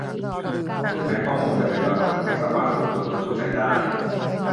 ถึงแม้ข้อมูลจะเป็นรหัสที่ไม่สามารถระบบตัวตนผู้ใช้ได้